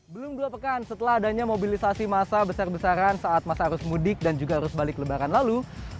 belum dua pekan setelah adanya mobilisasi massa besar besaran saat masa arus mudik dan juga harus balik lebaran lalu